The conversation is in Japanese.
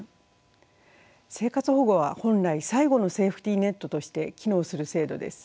生活保護は本来最後のセーフティーネットとして機能する制度です。